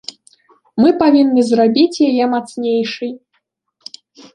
Мы павінны зрабіць яе мацнейшай.